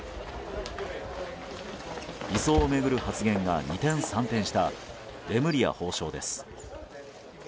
移送を巡る発言が二転三転したレムリヤ法相です。